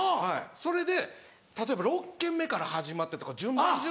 それで例えば６軒目から始まってとか順番順番に。